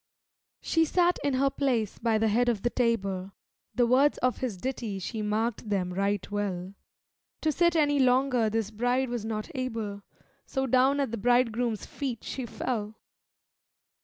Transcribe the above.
She sat in her place by the head of the table, The words of his ditty she mark'd them right well: To sit any longer this bride was not able, So down at the bridegroom's feet she fell.